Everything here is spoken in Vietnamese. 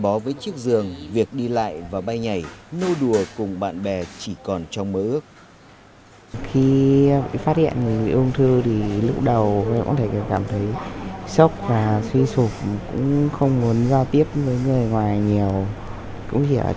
đối với chiếc giường việc đi lại và bay nhảy nô đùa cùng bạn bè chỉ còn trong mơ ước